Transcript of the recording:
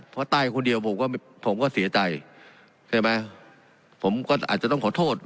เพราะใต้คนเดียวผมก็ผมก็เสียใจใช่ไหมผมก็อาจจะต้องขอโทษ